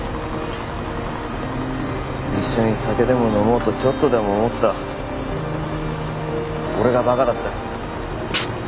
一緒に酒でも飲もうとちょっとでも思った俺がバカだった。